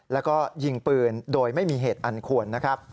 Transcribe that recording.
แล้วก็ยิงปืนโดยไม่มีเหตุอันควรนะครับ